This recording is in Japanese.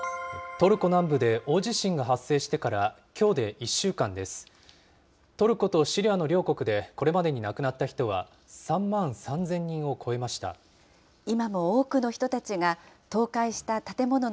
トルコ南部で大地震が発生してからきょうで１週間です。